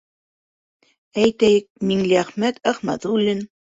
Әйтәйек, Миңләхмәт Әхмәҙуллин.